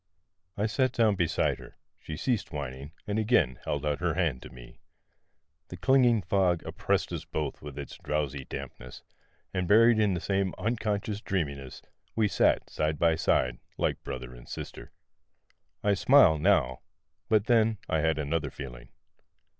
I sat down beside her ; she ceased whining, and again held out her hand to me. The clinging fog oppressed us both with its drowsy dampness ; and buried in the same un 318 POEMS IN PROSE conscious dreaminess, we sat side by side like brother and sister. I smile now ... but then I had another feeling.